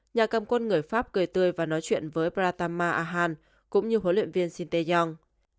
nhà cầm quân người pháp cười tươi và nói chuyện với pratama ahan cũng như huấn luyện viên sinteyong